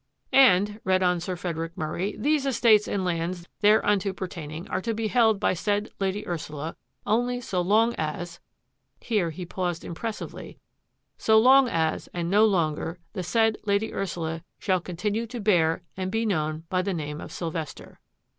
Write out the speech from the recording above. " And," read on Sir Frederick Murray, " these estates and lands thereunto pertaining are to be held by said Lady Ursula only so long as —^^ here he paused impressively, " so long as, and no longer, the said Lady Ursula shall continue to bear and be known by the name of Sylvester."